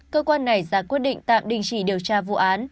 cơ quan này ra quyết định tạm đình chỉ điều tra vụ án